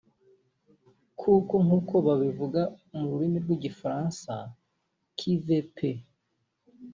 kuko nk’uko babivuga mu rurimi rw’igifaransa “Qui veut peut”